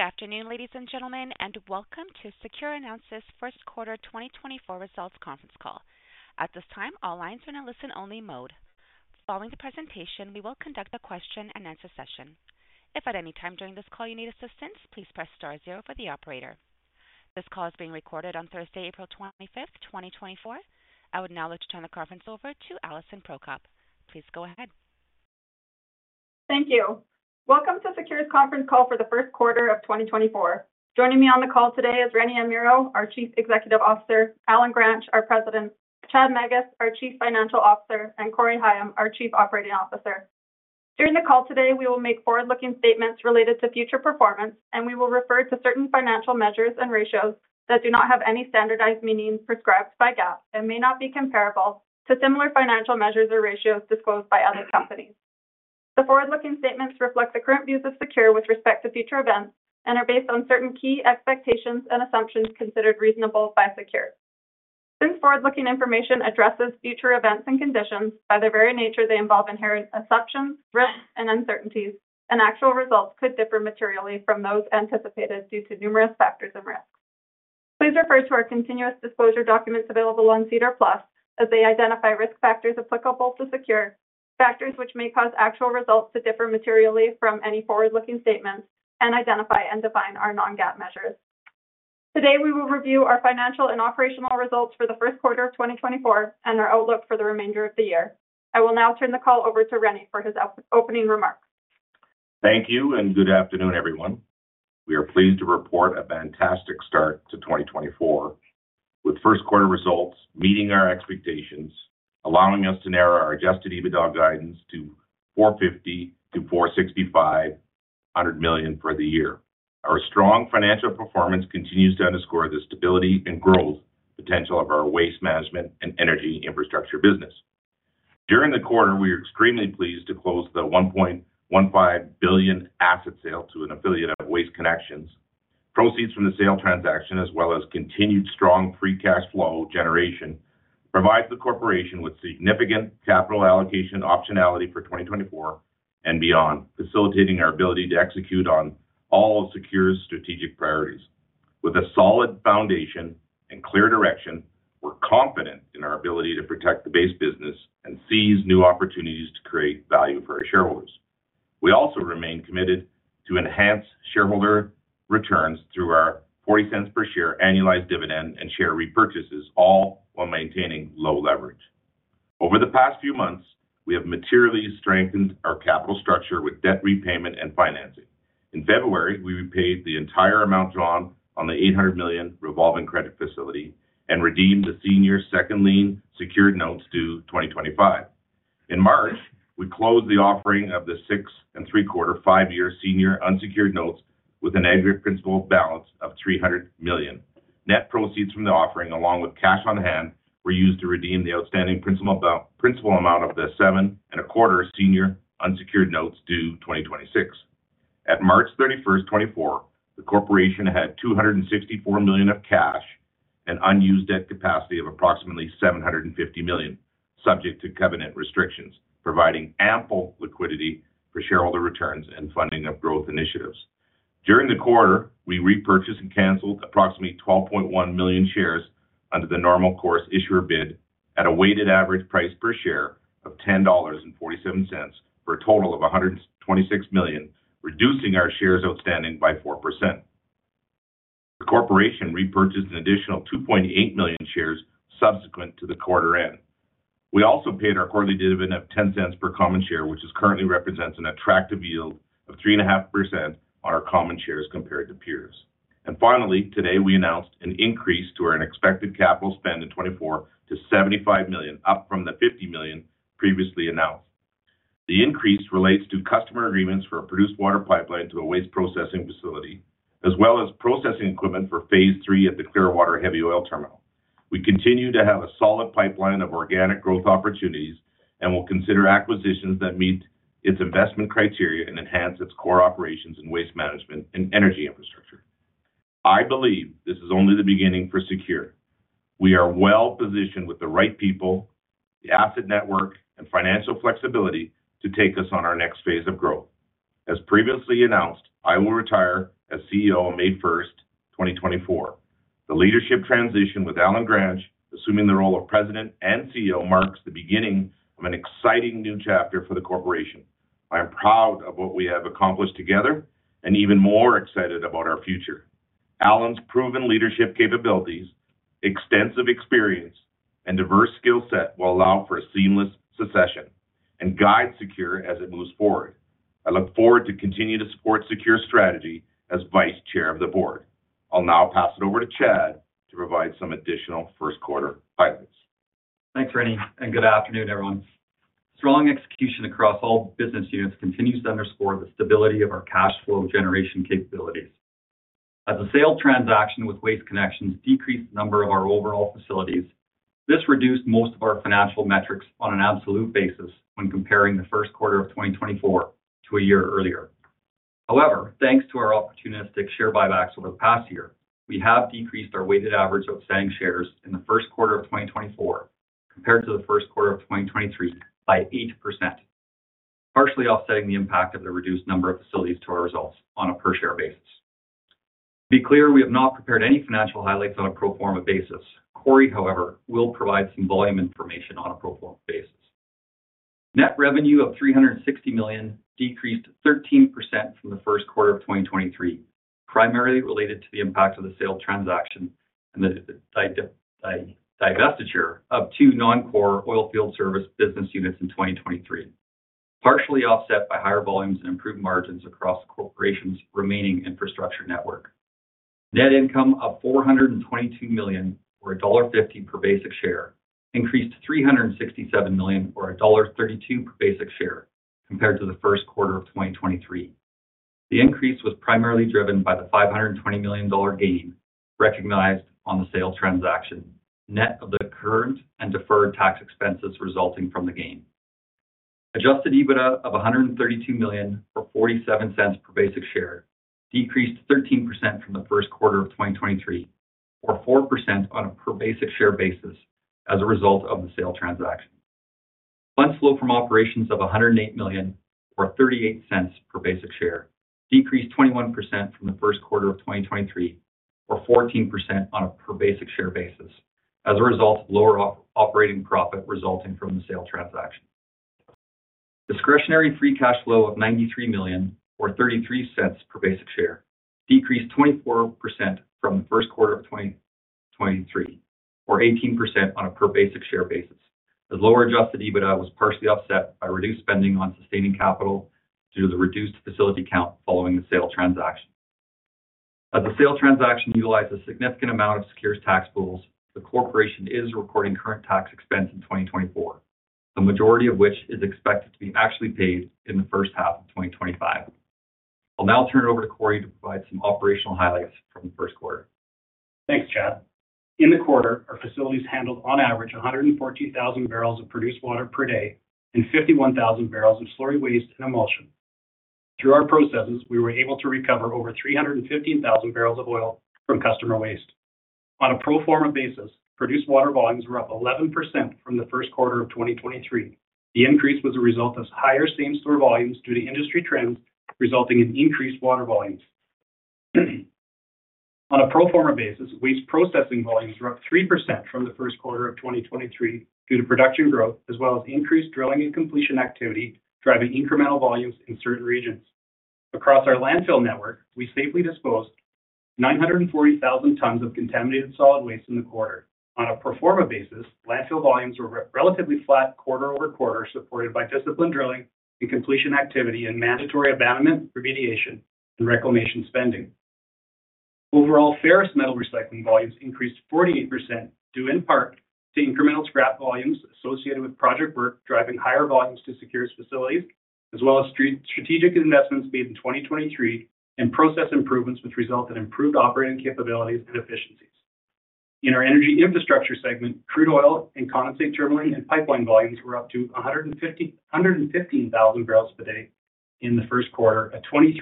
Good afternoon, ladies and gentlemen, and welcome to SECURE announces first quarter 2024 results conference call. At this time, all lines are in a listen-only mode. Following the presentation, we will conduct a question-and-answer session. If at any time during this call you need assistance, please press star zero for the operator. This call is being recorded on Thursday, April 25th, 2024. I would now like to turn the conference over to Alison Prokop. Please go ahead. Thank you. Welcome to SECURE's conference call for the first quarter of 2024. Joining me on the call today is Rene Amirault, our Chief Executive Officer, Allen Gransch, our President, Chad Magus, our Chief Financial Officer, and Corey Higham, our Chief Operating Officer. During the call today, we will make forward-looking statements related to future performance, and we will refer to certain financial measures and ratios that do not have any standardized meaning prescribed by GAAP and may not be comparable to similar financial measures or ratios disclosed by other companies. The forward-looking statements reflect the current views of SECURE with respect to future events and are based on certain key expectations and assumptions considered reasonable by SECURE. Since forward-looking information addresses future events and conditions, by their very nature, they involve inherent assumptions, risks, and uncertainties, and actual results could differ materially from those anticipated due to numerous factors and risks. Please refer to our continuous disclosure documents available on SEDAR+ as they identify risk factors applicable to SECURE, factors which may cause actual results to differ materially from any forward-looking statements and identify and define our non-GAAP measures. Today, we will review our financial and operational results for the first quarter of 2024 and our outlook for the remainder of the year. I will now turn the call over to Rene for his opening remarks. Thank you and good afternoon, everyone. We are pleased to report a fantastic start to 2024, with first quarter results meeting our expectations, allowing us to narrow our adjusted EBITDA guidance to 450 million-465 million for the year. Our strong financial performance continues to underscore the stability and growth potential of our Waste Management and Energy Infrastructure business. During the quarter, we are extremely pleased to close the 1.15 billion asset sale to an affiliate of Waste Connections. Proceeds from the sale transaction, as well as continued strong free cash flow generation, provides the corporation with significant capital allocation optionality for 2024 and beyond, facilitating our ability to execute on all of SECURE's strategic priorities. With a solid foundation and clear direction, we're confident in our ability to protect the base business and seize new opportunities to create value for our shareholders. We also remain committed to enhance shareholder returns through our 0.40 per share annualized dividend and share repurchases, all while maintaining low leverage. Over the past few months, we have materially strengthened our capital structure with debt repayment and financing. In February, we repaid the entire amount drawn on the 800 million revolving credit facility and redeemed the Senior Second Lien Secured Notes due 2025. In March, we closed the offering of the 6.75%, five-year Senior Unsecured Notes with an aggregate principal amount of 300 million. Net proceeds from the offering, along with cash on hand, were used to redeem the outstanding principal amount of the 7.25% Senior Unsecured Notes due 2026. At March 31st, 2024, the corporation had 264 million of cash and unused debt capacity of approximately 750 million, subject to covenant restrictions, providing ample liquidity for shareholder returns and funding of growth initiatives. During the quarter, we repurchased and canceled approximately 12.1 million shares under the Normal Course Issuer Bid at a weighted average price per share of 10.47 dollars, for a total of 126 million, reducing our shares outstanding by 4%. The corporation repurchased an additional 2.8 million shares subsequent to the quarter end. We also paid our quarterly dividend of 0.10 per common share, which currently represents an attractive yield of 3.5% on our common shares compared to peers. Finally, today, we announced an increase to our expected capital spend in 2024 to 75 million, up from the 50 million previously announced. The increase relates to customer agreements for a produced water pipeline to a waste processing facility, as well as processing equipment for Phase 3 at the Clearwater Heavy Oil Terminal. We continue to have a solid pipeline of organic growth opportunities and will consider acquisitions that meet its investment criteria and enhance its core operations in Waste Management and Energy Infrastructure. I believe this is only the beginning for SECURE. We are well-positioned with the right people, the asset network, and financial flexibility to take us on our next phase of growth. As previously announced, I will retire as CEO on May 1st, 2024. The leadership transition with Allen Gransch, assuming the role of President and CEO, marks the beginning of an exciting new chapter for the corporation. I am proud of what we have accomplished together and even more excited about our future. Allen Gransch's proven leadership capabilities, extensive experience, and diverse skill set will allow for a seamless succession and guide SECURE as it moves forward. I look forward to continue to support SECURE's strategy as Vice Chair of the Board. I'll now pass it over to Chad to provide some additional first quarter highlights. Thanks, Rene, and good afternoon, everyone. Strong execution across all business units continues to underscore the stability of our cash flow generation capabilities. As the sale transaction with Waste Connections decreased the number of our overall facilities, this reduced most of our financial metrics on an absolute basis when comparing the first quarter of 2024 to a year earlier. However, thanks to our opportunistic share buybacks over the past year, we have decreased our weighted average outstanding shares in the first quarter of 2024 compared to the first quarter of 2023 by 8%. Partially offsetting the impact of the reduced number of facilities to our results on a per share basis. To be clear, we have not prepared any financial highlights on a pro forma basis. Corey, however, will provide some volume information on a pro forma basis. Net revenue of 360 million decreased 13% from the first quarter of 2023, primarily related to the impact of the sale transaction and the divestiture of two non-core oilfield service business units in 2023, partially offset by higher volumes and improved margins across the corporation's remaining infrastructure network. Net income of 422 million, or dollar 1.50 per basic share, increased to 367 million or dollar 1.32 per basic share compared to the first quarter of 2023. The increase was primarily driven by the 520 million dollar gain recognized on the sale transaction, net of the current and deferred tax expenses resulting from the gain. Adjusted EBITDA of 132 million, or 0.47 per basic share, decreased 13% from the first quarter of 2023, or 4% on a per basic share basis as a result of the sale transaction. Fund flow from operations of 108 million, or 0.38 per basic share, decreased 21% from the first quarter of 2023, or 14% on a per basic share basis as a result of lower operating profit resulting from the sale transaction. Discretionary free cash flow of 93 million, or 0.33 per basic share, decreased 24% from the first quarter of 2023, or 18% on a per basic share basis, as lower adjusted EBITDA was partially offset by reduced spending on sustaining capital due to the reduced facility count following the sale transaction. As the sale transaction utilized a significant amount of SECURE's tax pools, the corporation is recording current tax expense in 2024, the majority of which is expected to be actually paid in the first half of 2025. I'll now turn it over to Corey to provide some operational highlights from the first quarter. Thanks, Chad. In the quarter, our facilities handled on average 114,000 barrels of produced water per day and 51,000 barrels of slurry waste and emulsion. Through our processes, we were able to recover over 315,000 barrels of oil from customer waste. On a pro forma basis, produced water volumes were up 11% from the first quarter of 2023. The increase was a result of higher same store volumes due to industry trends, resulting in increased water volumes. On a pro forma basis, waste processing volumes were up 3% from the first quarter of 2023 due to production growth, as well as increased drilling and completion activity, driving incremental volumes in certain regions. Across our landfill network, we safely disposed 940,000 tons of contaminated solid waste in the quarter. On a pro forma basis, landfill volumes were relatively flat quarter-over-quarter, supported by disciplined drilling and completion activity and mandatory abandonment, remediation, and reclamation spending. Overall, ferrous metal recycling volumes increased 48%, due in part to incremental scrap volumes associated with project work, driving higher volumes to SECURE's facilities, as well as strategic investments made in 2023 and process improvements which result in improved operating capabilities and efficiencies. In our energy infrastructure segment, crude oil and condensate terminal and pipeline volumes were up to 115,000 barrels per day in the first quarter, a 23%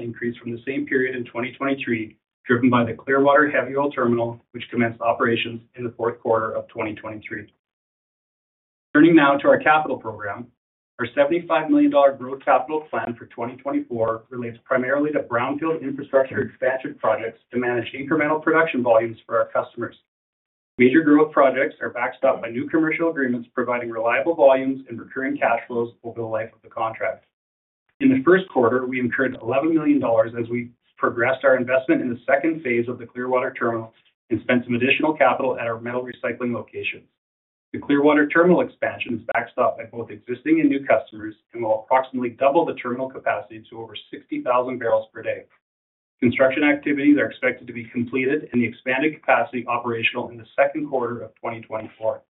increase from the same period in 2023, driven by the Clearwater Heavy Oil Terminal, which commenced operations in the fourth quarter of 2023. Turning now to our capital program. Our 75 million dollar growth capital plan for 2024 relates primarily to brownfield infrastructure expansion projects to manage incremental production volumes for our customers. Major growth projects are backstopped by new commercial agreements, providing reliable volumes and recurring cash flows over the life of the contract. In the first quarter, we incurred 11 million dollars as we progressed our investment in the second phase of the Clearwater Terminal and spent some additional capital at our metal recycling locations. The Clearwater Terminal expansion is backstopped by both existing and new customers and will approximately double the terminal capacity to over 60,000 barrels per day. Construction activities are expected to be completed and the expanded capacity operational in the second quarter of 2024.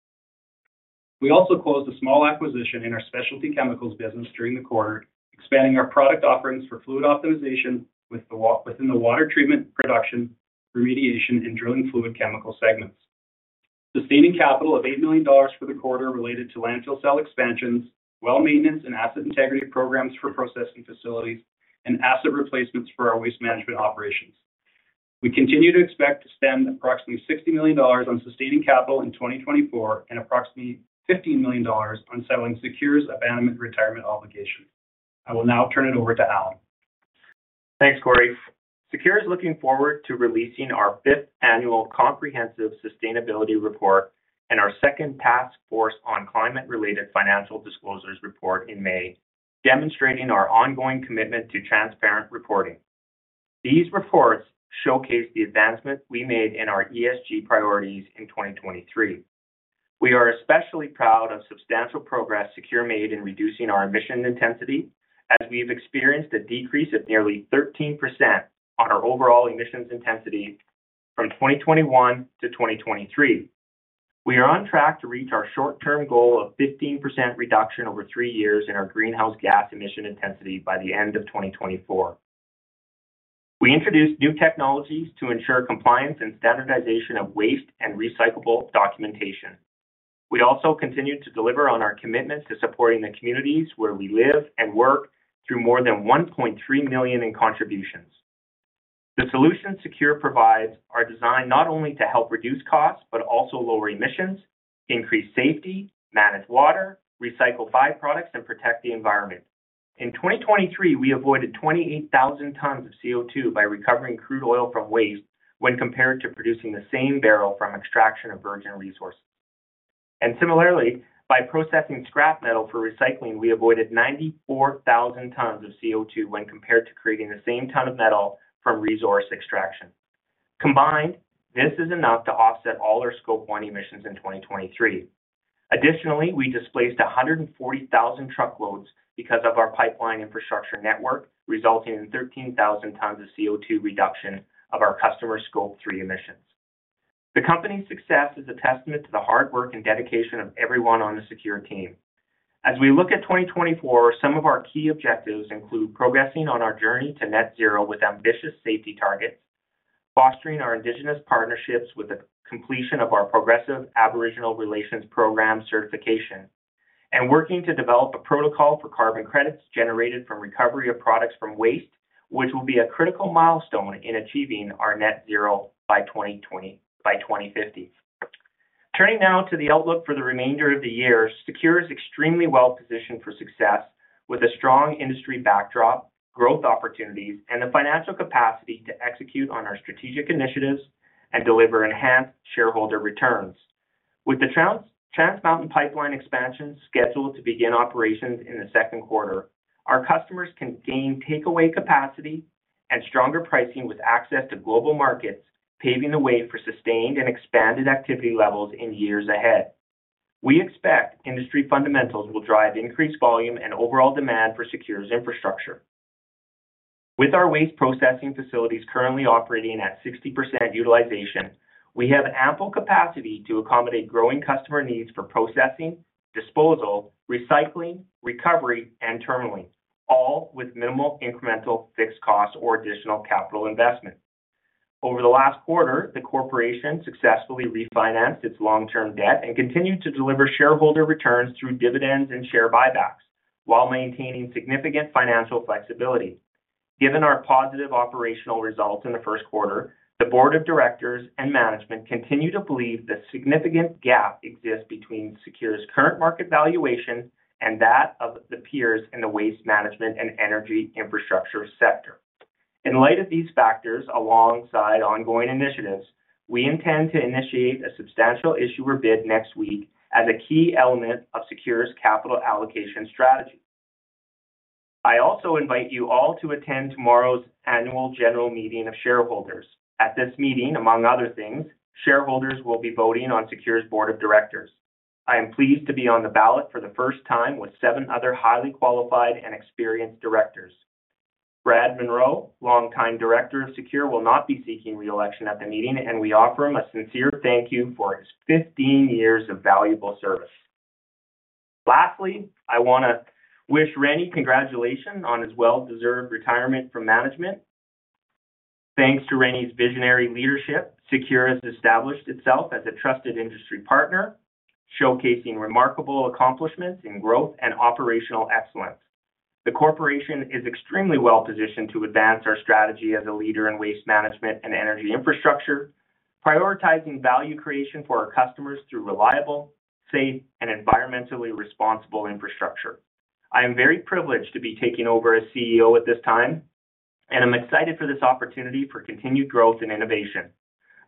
We also closed a small acquisition in our specialty chemicals business during the quarter, expanding our product offerings for fluid optimization within the water treatment, production, remediation, and drilling fluid chemical segments. Sustaining capital of 8 million dollars for the quarter related to landfill cell expansions, well maintenance, and asset integrity programs for processing facilities, and asset replacements for our waste management operations. We continue to expect to spend approximately 60 million dollars on sustaining capital in 2024 and approximately 15 million dollars on settling SECURE's abandonment retirement obligation. I will now turn it over to Allen. Thanks, Corey. SECURE is looking forward to releasing our fifth annual comprehensive sustainability report and our second Task Force on Climate-related Financial Disclosures report in May, demonstrating our ongoing commitment to transparent reporting. These reports showcase the advancement we made in our ESG priorities in 2023. We are especially proud of substantial progress SECURE made in reducing our emission intensity, as we've experienced a decrease of nearly 13% on our overall emissions intensity from 2021 to 2023. We are on track to reach our short-term goal of 15% reduction over three years in our greenhouse gas emission intensity by the end of 2024. We introduced new technologies to ensure compliance and standardization of waste and recyclable documentation. We also continued to deliver on our commitment to supporting the communities where we live and work, through more than 1.3 million in contributions. ...The solutions SECURE provides are designed not only to help reduce costs, but also lower emissions, increase safety, manage water, recycle byproducts, and protect the environment. In 2023, we avoided 28,000 tons of CO2 by recovering crude oil from waste when compared to producing the same barrel from extraction of virgin resources. Similarly, by processing scrap metal for recycling, we avoided 94,000 tons of CO2 when compared to creating the same ton of metal from resource extraction. Combined, this is enough to offset all our Scope 1 emissions in 2023. Additionally, we displaced 140,000 truckloads because of our pipeline infrastructure network, resulting in 13,000 tons of CO2 reduction of our customer Scope 3 emissions. The company's success is a testament to the hard work and dedication of everyone on the SECURE team. As we look at 2024, some of our key objectives include progressing on our journey to net zero with ambitious safety targets, fostering our Indigenous partnerships with the completion of our Progressive Aboriginal Relations Program certification, and working to develop a protocol for carbon credits generated from recovery of products from waste, which will be a critical milestone in achieving our net zero by 2050. Turning now to the outlook for the remainder of the year, SECURE is extremely well-positioned for success with a strong industry backdrop, growth opportunities, and the financial capacity to execute on our strategic initiatives and deliver enhanced shareholder returns. With the Trans Mountain pipeline expansion scheduled to begin operations in the second quarter, our customers can gain takeaway capacity and stronger pricing with access to global markets, paving the way for sustained and expanded activity levels in years ahead. We expect industry fundamentals will drive increased volume and overall demand for SECURE's infrastructure. With our waste processing facilities currently operating at 60% utilization, we have ample capacity to accommodate growing customer needs for processing, disposal, recycling, recovery, and terminalling, all with minimal incremental fixed costs or additional capital investment. Over the last quarter, the corporation successfully refinanced its long-term debt and continued to deliver shareholder returns through dividends and share buybacks, while maintaining significant financial flexibility. Given our positive operational results in the first quarter, the board of directors and management continue to believe that significant gap exists between SECURE's current market valuation and that of the peers in the waste management and energy infrastructure sector. In light of these factors, alongside ongoing initiatives, we intend to initiate a Substantial Issuer Bid next week as a key element of SECURE's capital allocation strategy. I also invite you all to attend tomorrow's annual general meeting of shareholders. At this meeting, among other things, shareholders will be voting on SECURE's board of directors. I am pleased to be on the ballot for the first time with seven other highly qualified and experienced directors. Brad Munro, longtime director of SECURE, will not be seeking re-election at the meeting, and we offer him a sincere thank you for his 15 years of valuable service. Lastly, I want to wish Rene congratulations on his well-deserved retirement from management. Thanks to Rene's visionary leadership, SECURE has established itself as a trusted industry partner, showcasing remarkable accomplishments in growth and operational excellence. The corporation is extremely well-positioned to advance our strategy as a leader in waste management and energy infrastructure, prioritizing value creation for our customers through reliable, safe, and environmentally responsible infrastructure. I am very privileged to be taking over as CEO at this time, and I'm excited for this opportunity for continued growth and innovation.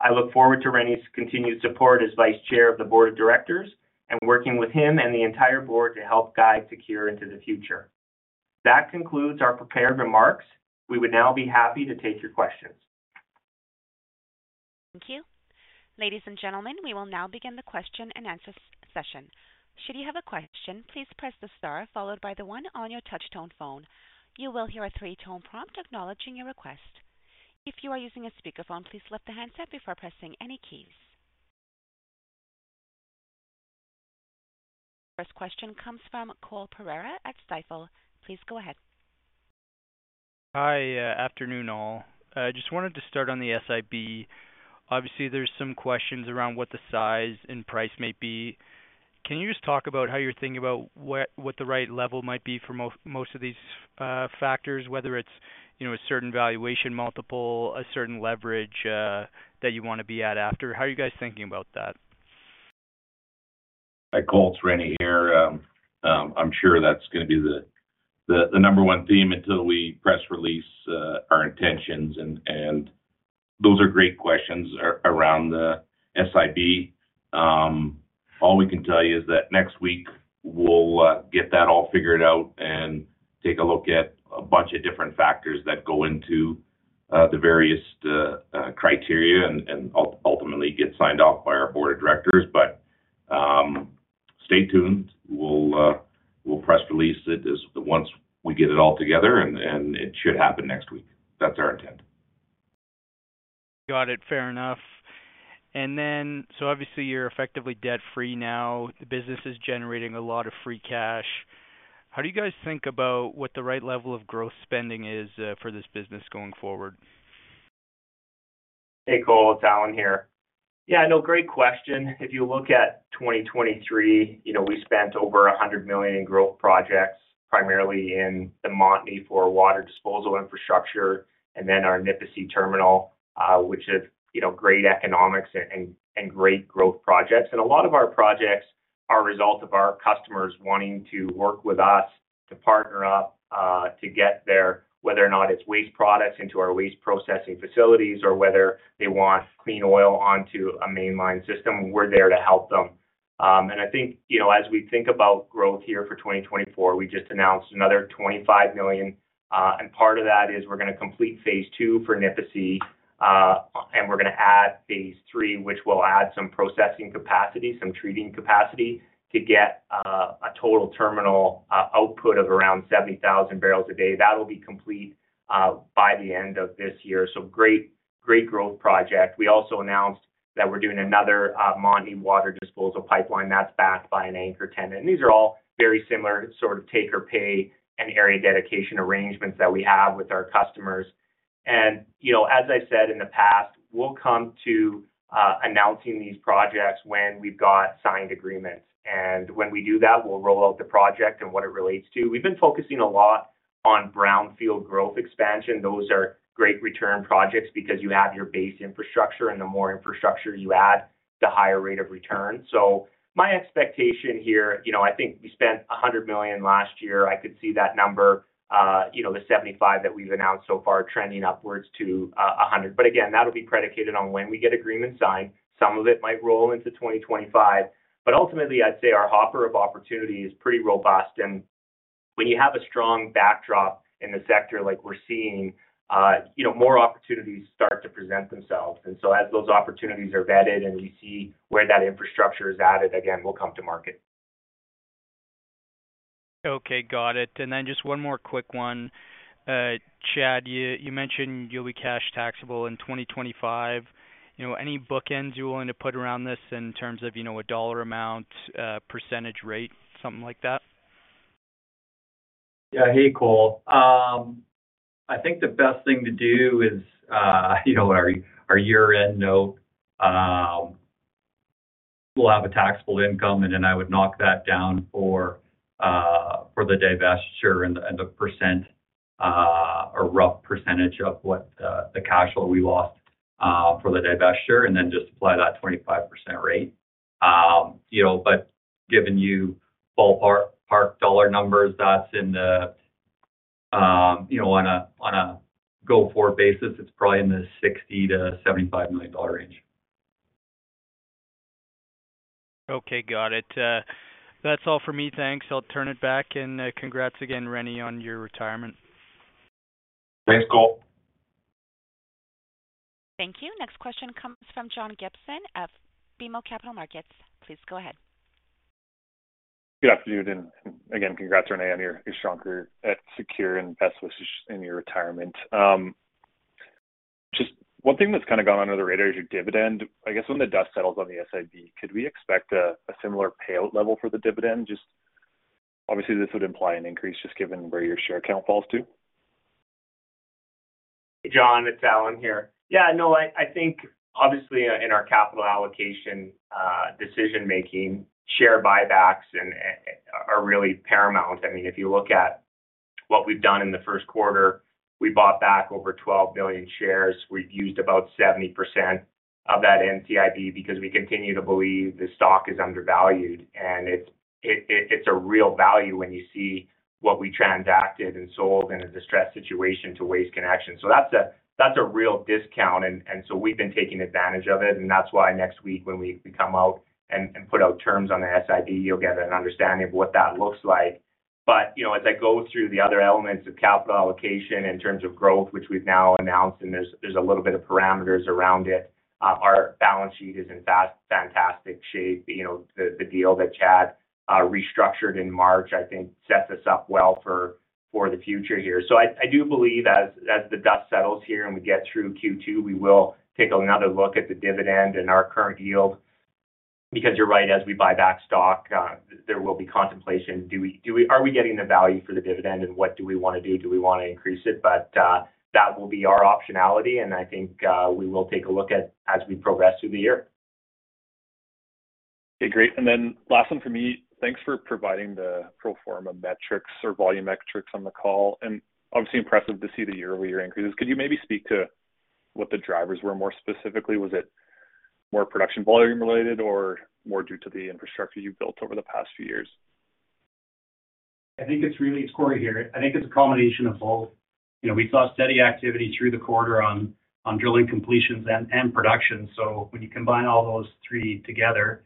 I look forward to Rene's continued support as Vice Chair of the board of directors and working with him and the entire board to help guide SECURE into the future. That concludes our prepared remarks. We would now be happy to take your questions. Thank you. Ladies and gentlemen, we will now begin the question and answer session. Should you have a question, please press the star followed by the one on your touch-tone phone. You will hear a three-tone prompt acknowledging your request. If you are using a speakerphone, please lift the handset before pressing any keys. First question comes from Cole Pereira at Stifel. Please go ahead. Hi, afternoon, all. I just wanted to start on the SIB. Obviously, there's some questions around what the size and price may be. Can you just talk about how you're thinking about what the right level might be for most of these factors, whether it's, you know, a certain valuation multiple, a certain leverage that you want to be at after? How are you guys thinking about that? Hi, Cole, it's Rene here. I'm sure that's going to be the number one theme until we press release our intentions, and those are great questions around the SIB. All we can tell you is that next week, we'll get that all figured out and take a look at a bunch of different factors that go into the various criteria and ultimately get signed off by our board of directors. But stay tuned. We'll press release it once we get it all together, and it should happen next week. That's our intent. Got it. Fair enough. And then, so obviously, you're effectively debt-free now. The business is generating a lot of free cash. How do you guys think about what the right level of growth spending is for this business going forward? Hey, Cole, it's Allen here. Yeah, no, great question. If you look at 2023, you know, we spent over 100 million in growth projects, primarily in the Montney for water disposal infrastructure, and then our Nipisi Terminal, which is, you know, great economics and great growth projects. And a lot of our projects are a result of our customers wanting to work with us to partner up, to get their... Whether or not it's waste products into our waste processing facilities, or whether they want clean oil onto a mainline system, we're there to help them. I think, you know, as we think about growth here for 2024, we just announced another 25 million, and part of that is we're gonna complete Phase 2 for Nipisi, and we're gonna add Phase 3, which will add some processing capacity, some treating capacity, to get a total terminal output of around 70,000 barrels a day. That'll be complete by the end of this year. So great, great growth project. We also announced that we're doing another Montney water disposal pipeline that's backed by an anchor tenant. And these are all very similar sort of take or pay and area dedication arrangements that we have with our customers. And, you know, as I said in the past, we'll come to announcing these projects when we've got signed agreements. And when we do that, we'll roll out the project and what it relates to. We've been focusing a lot on brownfield growth expansion. Those are great return projects because you have your base infrastructure, and the more infrastructure you add, the higher rate of return. So my expectation here, you know, I think we spent 100 million last year. I could see that number, you know, the 75 million that we've announced so far, trending upwards to 100 million. But again, that'll be predicated on when we get agreement signed. Some of it might roll into 2025, but ultimately, I'd say our hopper of opportunity is pretty robust. And when you have a strong backdrop in the sector like we're seeing, you know, more opportunities start to present themselves. And so as those opportunities are vetted and we see where that infrastructure is added, again, we'll come to market. Okay, got it. And then just one more quick one. Chad, you mentioned you'll be cash taxable in 2025. You know, any bookends you're willing to put around this in terms of, you know, a dollar amount, percentage rate, something like that? Yeah. Hey, Cole. I think the best thing to do is, you know, our, our year-end note, we'll have a taxable income, and then I would knock that down for, for the divestiture and the, and the percent, or rough percentage of what, the cash flow we lost, for the divestiture, and then just apply that 25% rate. You know, but giving you ballpark dollar numbers, that's in the, you know, on a, on a go-forward basis, it's probably in the 60 million-75 million dollar range. Okay, got it. That's all for me. Thanks. I'll turn it back, and congrats again, Rene, on your retirement. Thanks, Cole. Thank you. Next question comes from John Gibson of BMO Capital Markets. Please go ahead. Good afternoon, and again, congrats, Rene, on your stronger at SECURE and best wishes in your retirement. Just one thing that's kind of gone under the radar is your dividend. I guess when the dust settles on the SIB, could we expect a similar payout level for the dividend? Just obviously, this would imply an increase just given where your share count falls, too. Hey, John, it's Allen here. Yeah, no, I think obviously in our capital allocation, decision-making, share buybacks and are really paramount. I mean, if you look at what we've done in the first quarter, we bought back over 12 million shares. We've used about 70% of that NCIB because we continue to believe the stock is undervalued, and it's a real value when you see what we transacted and sold in a distressed situation to Waste Connections. So that's a real discount, and so we've been taking advantage of it, and that's why next week when we come out and put out terms on the SIB, you'll get an understanding of what that looks like. But, you know, as I go through the other elements of capital allocation in terms of growth, which we've now announced and there's a little bit of parameters around it, our balance sheet is in fantastic shape. You know, the deal that Chad restructured in March, I think sets us up well for the future here. So I do believe as the dust settles here and we get through Q2, we will take another look at the dividend and our current yield, because you're right, as we buy back stock, there will be contemplation. Do we, are we getting the value for the dividend, and what do we wanna do? Do we wanna increase it? But that will be our optionality, and I think we will take a look at as we progress through the year. Okay, great. And then last one for me. Thanks for providing the pro forma metrics or volume metrics on the call, and obviously impressive to see the year-over-year increases. Could you maybe speak to what the drivers were more specifically? Was it more production volume related or more due to the infrastructure you've built over the past few years? I think it's really... It's Corey here. I think it's a combination of both. You know, we saw steady activity through the quarter on drilling completions and production. So when you combine all those three together,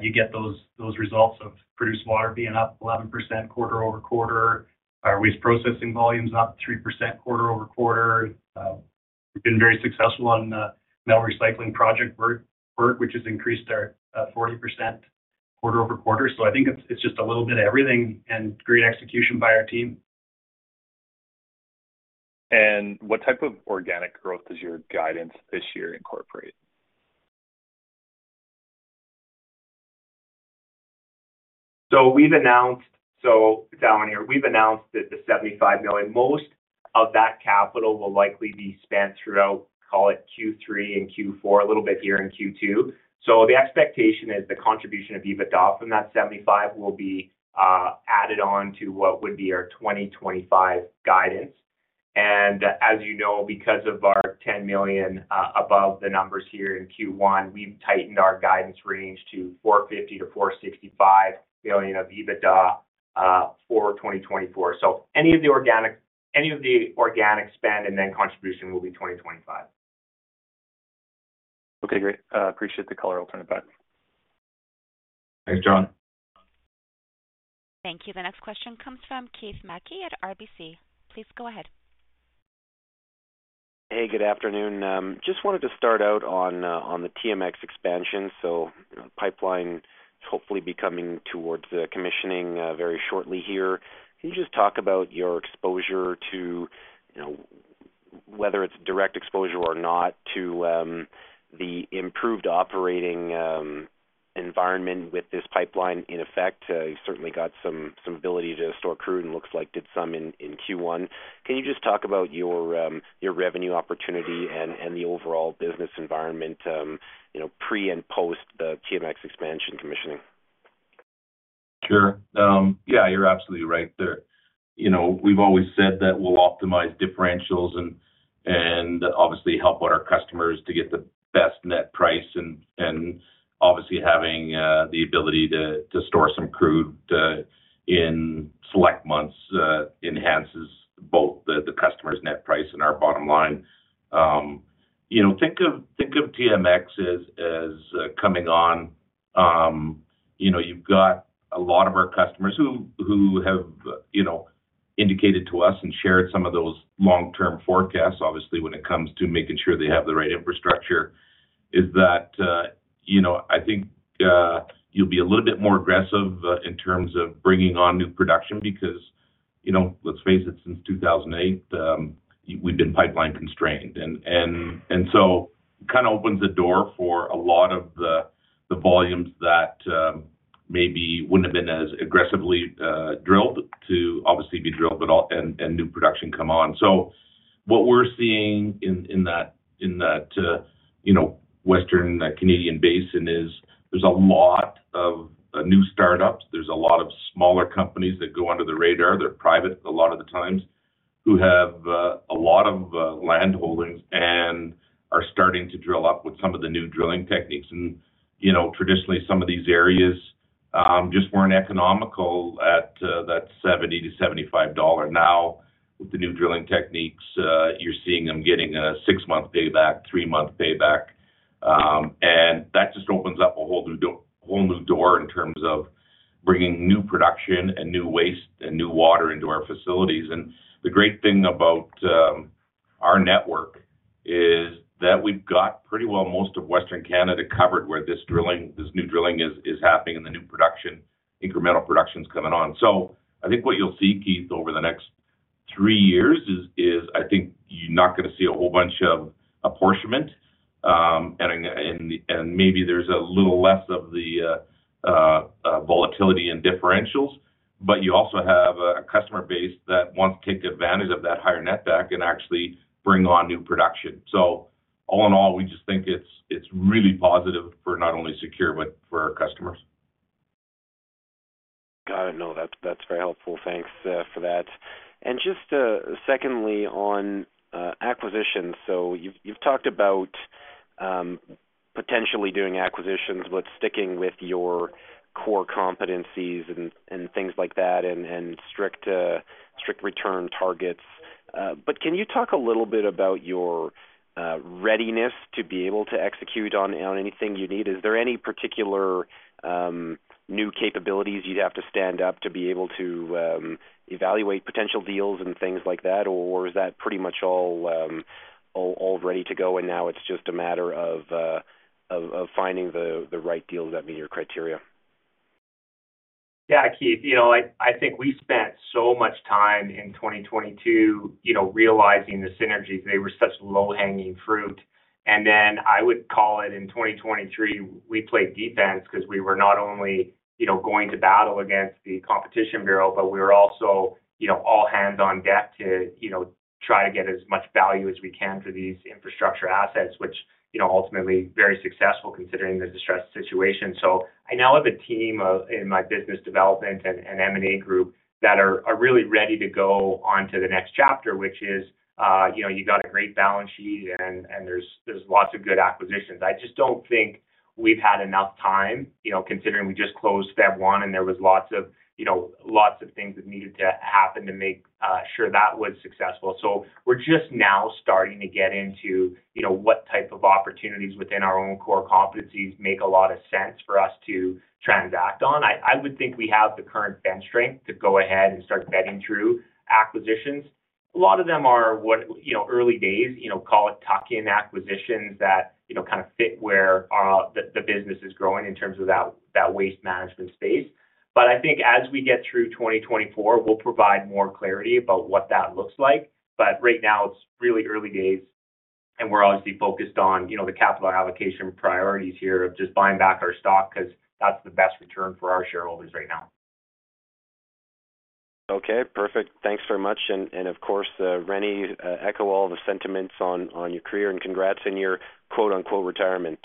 you get those results of produced water being up 11% quarter-over-quarter. Our waste processing volume is up 3% quarter-over-quarter. We've been very successful on metal recycling project work, which has increased our 40% quarter-over-quarter. So I think it's just a little bit of everything and great execution by our team. What type of organic growth does your guidance this year incorporate? So we've announced, so down here, we've announced that the 75 million, most of that capital will likely be spent throughout, call it Q3 and Q4, a little bit here in Q2. So the expectation is the contribution of EBITDA from that seventy-five will be added on to what would be our 2025 guidance. And as you know, because of our 10 million above the numbers here in Q1, we've tightened our guidance range to 450 million-465 million of EBITDA for 2024. So any of the organic, any of the organic spend and then contribution will be 2025. Okay, great. Appreciate the color, ultimate, bye. Thanks, John. Thank you. The next question comes from Keith Mackey at RBC. Please go ahead. Hey, good afternoon. Just wanted to start out on the TMX expansion. So pipeline hopefully be coming towards the commissioning very shortly here. Can you just talk about your exposure to, you know, whether it's direct exposure or not, to the improved operating environment with this pipeline in effect? You certainly got some ability to store crude and looks like did some in Q1. Can you just talk about your revenue opportunity and the overall business environment, you know, pre and post the TMX expansion commissioning? Sure. Yeah, you're absolutely right there. You know, we've always said that we'll optimize differentials and obviously help out our customers to get the best net price. And obviously, having the ability to store some crude in select months enhances both the customer's net price and our bottom line. You know, think of TMX as coming on. You know, you've got a lot of our customers who have you know indicated to us and shared some of those long-term forecasts. Obviously, when it comes to making sure they have the right infrastructure, you know, I think you'll be a little bit more aggressive in terms of bringing on new production. Because, you know, let's face it, since 2008, we've been pipeline constrained, and so kind of opens the door for a lot of the volumes that maybe wouldn't have been as aggressively drilled to obviously be drilled, but also and new production come on. So what we're seeing in that, you know, Western Canadian basin is there's a lot of new startups, there's a lot of smaller companies that go under the radar. They're private, a lot of the times, who have a lot of land holdings and are starting to drill up with some of the new drilling techniques. And, you know, traditionally, some of these areas just weren't economical at that $70-$75. Now, with the new drilling techniques, you're seeing them getting a six-month payback, three-month payback. And that just opens up a whole new door in terms of bringing new production and new waste and new water into our facilities. And the great thing about our network is that we've got pretty well most of Western Canada covered, where this drilling, this new drilling is happening and the new production, incremental production is coming on. So I think what you'll see, Keith, over the next three years is I think you're not gonna see a whole bunch of apportionment. And maybe there's a little less of the volatility and differentials, but you also have a customer base that wants to take advantage of that higher netback and actually bring on new production. So all in all, we just think it's really positive for not only SECURE, but for our customers. Got it. No, that's, that's very helpful. Thanks, for that. Just, secondly, on, acquisitions. So you've, you've talked about, potentially doing acquisitions, but sticking with your core competencies and, and things like that, and, and strict, strict return targets. But can you talk a little bit about your, readiness to be able to execute on, on anything you need? Is there any particular, new capabilities you'd have to stand up to be able to, evaluate potential deals and things like that? Or is that pretty much all, all, all ready to go, and now it's just a matter of, of, of finding the, the right deals that meet your criteria? Yeah, Keith, you know, I think we spent so much time in 2022, you know, realizing the synergies. They were such low-hanging fruit. And then I would call it in 2023, we played defense because we were not only, you know, going to battle against the Competition Bureau, but we were also, you know, all hands on deck to, you know, try to get as much value as we can for these infrastructure assets, which, you know, ultimately very successful considering the distressed situation. So I now have a team of-- in my business development and M&A group that are really ready to go on to the next chapter, which is, you know, you got a great balance sheet and there's lots of good acquisitions. I just don't think we've had enough time, you know, considering we just closed February 1, and there was lots of, you know, lots of things that needed to happen to make sure that was successful. So we're just now starting to get into, you know, what type of opportunities within our own core competencies make a lot of sense for us to transact on. I, I would think we have the current bench strength to go ahead and start vetting through acquisitions. A lot of them are what, you know, early days, you know, call it tuck-in acquisitions that, you know, kind of fit where the, the business is growing in terms of that, that waste management space. But I think as we get through 2024, we'll provide more clarity about what that looks like. But right now, it's really early days. We're obviously focused on, you know, the capital allocation priorities here of just buying back our stock, 'cause that's the best return for our shareholders right now. Okay, perfect. Thanks very much. And of course, Rene, echo all the sentiments on your career, and congrats in your quote-unquote retirement.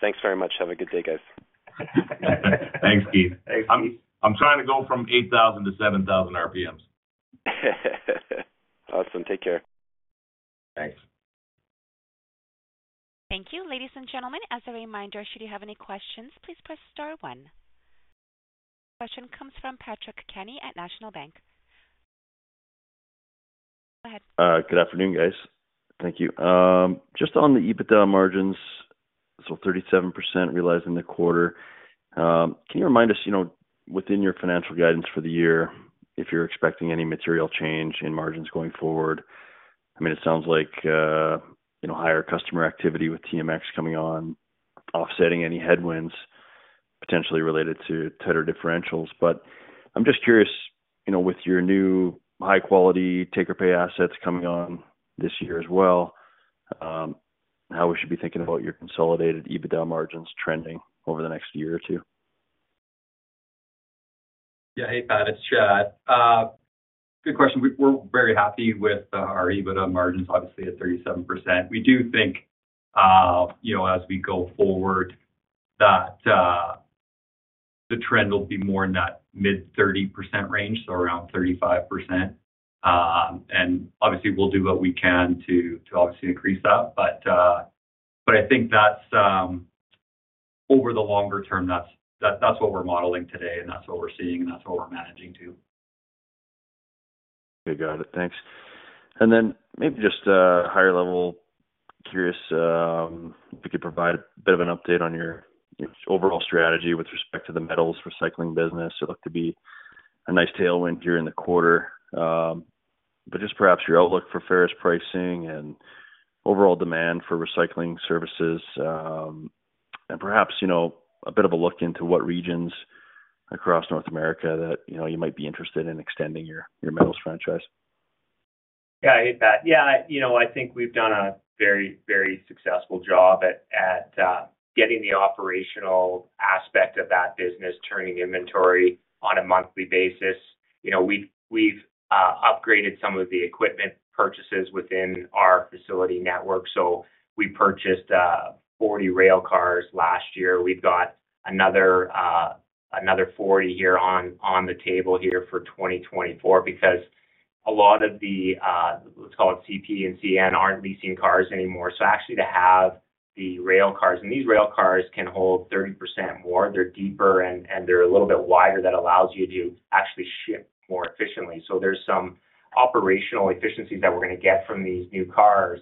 Thanks very much. Have a good day, guys. Thanks, Keith. Thanks, Keith. I'm trying to go from 8,000 to 7,000 RPMs. Awesome. Take care. Thanks. Thank you. Ladies and gentlemen, as a reminder, should you have any questions, please press star one. Question comes from Patrick Kenny at National Bank. Go ahead. Good afternoon, guys. Thank you. Just on the EBITDA margins, so 37% realized in the quarter. Can you remind us, you know, within your financial guidance for the year, if you're expecting any material change in margins going forward? I mean, it sounds like, you know, higher customer activity with TMX coming on, offsetting any headwinds potentially related to tighter differentials. But I'm just curious, you know, with your new high-quality take-or-pay assets coming on this year as well, how we should be thinking about your consolidated EBITDA margins trending over the next year or two? Yeah. Hey, Pat, it's Chad. Good question. We're very happy with our EBITDA margins, obviously, at 37%. We do think, you know, as we go forward, that the trend will be more in that mid-30% range, so around 35%. And obviously, we'll do what we can to obviously increase that. But, but I think that's—Over the longer term, that's, that's, that's what we're modeling today, and that's what we're seeing, and that's what we're managing to. Okay, got it. Thanks. And then maybe just higher level, curious, if you could provide a bit of an update on your your overall strategy with respect to the metals recycling business. It looked to be a nice tailwind during the quarter, but just perhaps your outlook for ferrous pricing and overall demand for recycling services, and perhaps, you know, a bit of a look into what regions across North America that, you know, you might be interested in extending your your metals franchise. Yeah. Hey, Pat. Yeah, you know, I think we've done a very, very successful job at getting the operational aspect of that business, turning inventory on a monthly basis. You know, we've upgraded some of the equipment purchases within our facility network. So we purchased 40 rail cars last year. We've got another 40 here on the table here for 2024, because a lot of the, let's call it CP and CN, aren't leasing cars anymore. So actually to have the rail cars, and these rail cars can hold 30% more. They're deeper, and they're a little bit wider, that allows you to actually ship more efficiently. So there's some operational efficiencies that we're gonna get from these new cars.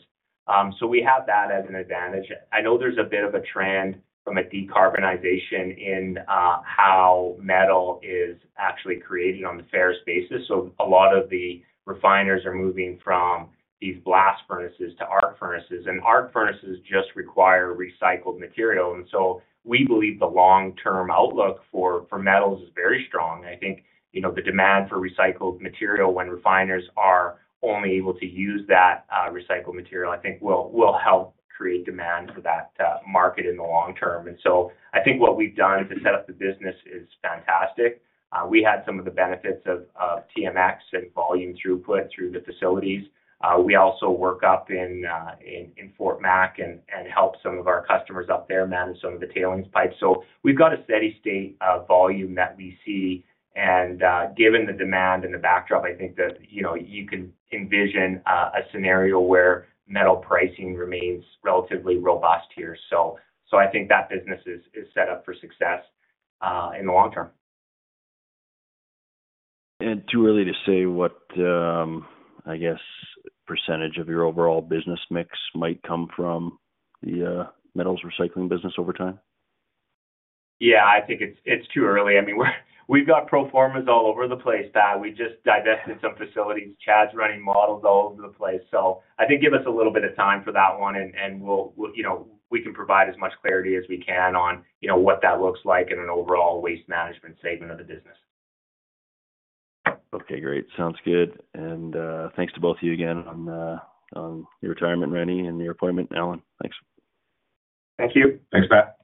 So we have that as an advantage. I know there's a bit of a trend from a decarbonization in how metal is actually creating on the ferrous basis. So a lot of the refiners are moving from these blast furnaces to arc furnaces, and arc furnaces just require recycled material. And so we believe the long-term outlook for metals is very strong. I think, you know, the demand for recycled material when refiners are only able to use that recycled material, I think will help create demand for that market in the long term. And so I think what we've done to set up the business is fantastic. We had some of the benefits of TMX and volume throughput through the facilities. We also work up in Fort Mac and help some of our customers up there manage some of the tailings pipes. So we've got a steady state, volume that we see, and, given the demand and the backdrop, I think that, you know, you can envision, a scenario where metal pricing remains relatively robust here. So I think that business is set up for success, in the long term. Too early to say what the, I guess, percentage of your overall business mix might come from the metals recycling business over time? Yeah, I think it's too early. I mean, we've got pro formas all over the place, Pat. We just divested some facilities. Chad's running models all over the place. So I think give us a little bit of time for that one, and we'll, you know, we can provide as much clarity as we can on, you know, what that looks like in an overall waste management segment of the business. Okay, great. Sounds good. And thanks to both of you again on your retirement, Rene, and your appointment, Allen. Thanks. Thank you. Thanks, Pat.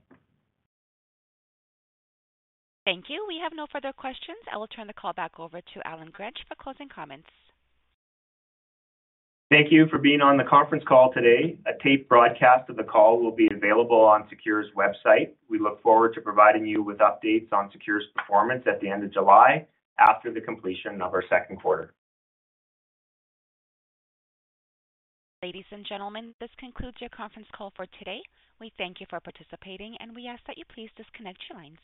Thank you. We have no further questions. I will turn the call back over to Allen Gransch for closing comments. Thank you for being on the conference call today. A taped broadcast of the call will be available on SECURE's website. We look forward to providing you with updates on SECURE's performance at the end of July after the completion of our second quarter. Ladies and gentlemen, this concludes your conference call for today. We thank you for participating, and we ask that you please disconnect your lines.